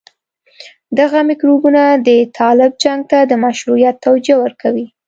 دغه میکروبونه د طالب جنګ ته د مشروعيت توجيه ورکوي.